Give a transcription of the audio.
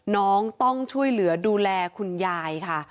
น้องต้องช่วยเหลือดูแลคุณยายค่ะ